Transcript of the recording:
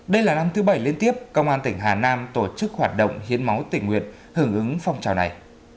đây là năm thứ bảy liên tiếp công an tỉnh hà nam tổ chức hoạt động hiến máu tỉnh nguyện hưởng ứng phong trào này